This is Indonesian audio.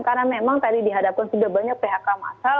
karena memang tadi dihadapkan sudah banyak phk masal